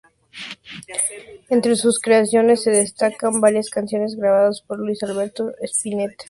Entre sus creaciones se destacan varias canciones grabadas por Luis Alberto Spinetta.